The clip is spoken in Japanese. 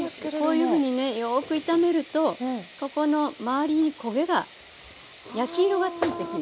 こういうふうにねよく炒めるとここの周りに焦げが焼き色がついてきますね。